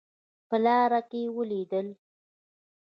په لاره کې ولیدل.